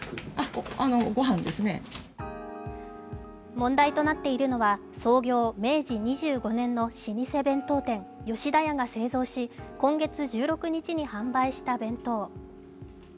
問題となっているのは創業明治２５年の老舗弁当店・吉田屋が製造し今月１６日に販売した弁当。